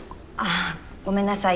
あごめんなさい。